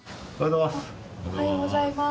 おはようございます。